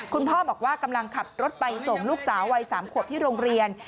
คุณพ่อบอกว่ากำลังขับรถไปส่งลูกสาววัย๓ขวบที่โรงเรียน